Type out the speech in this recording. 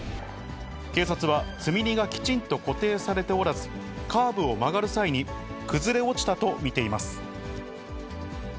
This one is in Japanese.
警察は、積み荷がきちんと固定されておらず、カーブを曲がる際に崩れ落ちたと見ています。